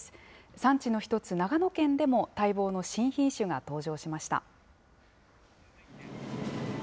産地の一つ、長野県でも待望の新品種が登場しました。